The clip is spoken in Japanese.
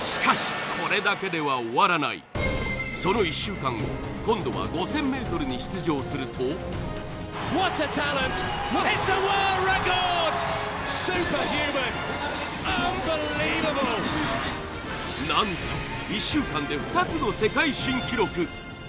しかしその１週間後今度は５０００ｍに出場するとなんと１週間で２つの世界新記録